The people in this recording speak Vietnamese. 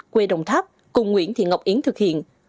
quê đồng tháp cùng nguyễn thị ngọc yến thực hiện